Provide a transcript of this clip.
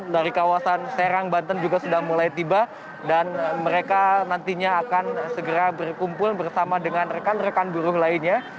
dari kawasan serang banten juga sudah mulai tiba dan mereka nantinya akan segera berkumpul bersama dengan rekan rekan buruh lainnya